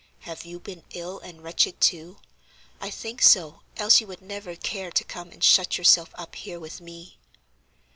Have you been ill and wretched too? I think so, else you would never care to come and shut yourself up here with me!"